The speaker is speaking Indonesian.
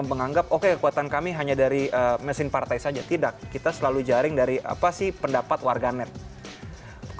berita terkini dari kpum